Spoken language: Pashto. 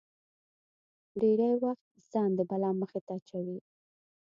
ډېری وخت ځان د بلا مخې ته اچوي.